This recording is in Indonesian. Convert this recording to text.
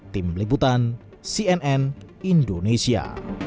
tim liputan cnn indonesia